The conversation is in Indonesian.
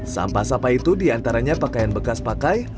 sampah sampah itu diantaranya pakaian bekas pakai